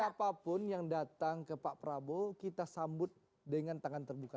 siapapun yang datang ke pak prabowo kita sambut dengan tangan terbuka